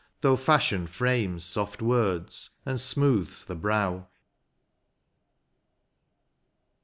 Though fashion frames soft words and smooths the brow.